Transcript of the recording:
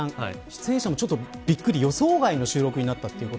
出演者もびっくり予想外の収録になったと。